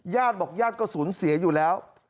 ย่านบอกย่านก็สูญเสียอยู่แล้ว